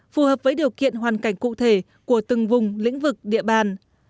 phù hợp với điều kiện hoàn cảnh cụ thể của từng vùng lĩnh vực địa bàn